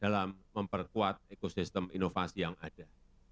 dalam memperkuat ekosistem inovasi yang ada